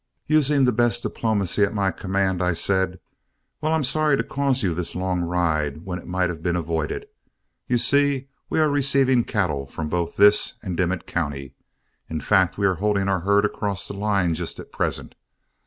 Using the best diplomacy at my command, I said, "Well, I'm sorry to cause you this long ride when it might have been avoided. You see, we are receiving cattle from both this and Dimmit County. In fact, we are holding our herd across the line just at present.